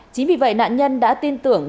chính vì vậy nạn nhân đã tin tưởng